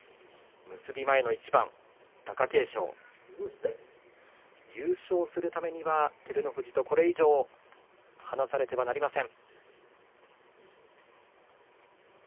結び前の一番、貴景勝優勝するためには照ノ富士とこれ以上離されてはなりません。